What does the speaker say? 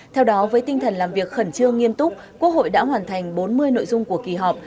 theo đó với tinh thần làm việc khẩn trương nghiêm túc quốc hội đã hoàn thành bốn mươi nội dung của kỳ họp